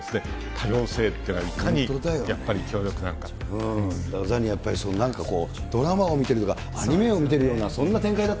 多様性っていうのが、ザニー、やっぱりなんかドラマを見てるとか、アニメを見てるような、そんな展開だった。